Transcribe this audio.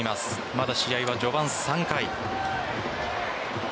まだ試合は序盤３回。